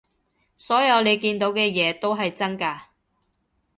所有你見到嘅嘢都係真㗎